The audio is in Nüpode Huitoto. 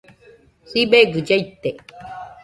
Sibegɨ llaite